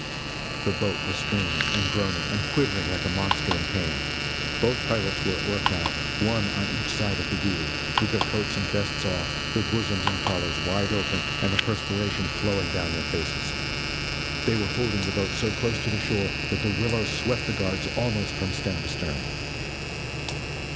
The boat was straining and groaning and quivering like a monster in pain. Both pilots were at work now, one on each side of the wheel, with their coats and vests off, their bosoms and collars wide open and the perspiration flowing down heir faces. They were holding the boat so close to the shore that the willows swept the guards almost from stem to stern.